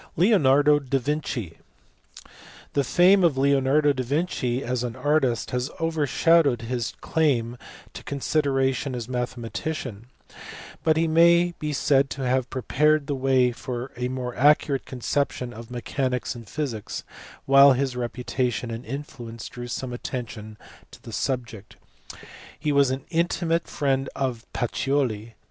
Leonardo da Vinci. The fame of Leonardo da Vinci as an artist has overshadowed his claim to consideration as a mathe matician, but he may be said to have prepared the way for a more accurate conception of mechanics and physics, while his reputation and influence drew some attention to the sub ject ; he was an intimate friend of Pacioli.